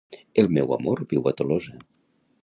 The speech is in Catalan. El meu amor viu a Tolosa.